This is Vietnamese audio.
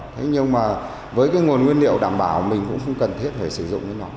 thế nhưng mà với cái nguồn nguyên liệu đảm bảo mình cũng không cần thiết phải sử dụng với nó